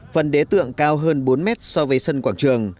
phần đế tượng cao hơn bốn mét so với sân quảng trường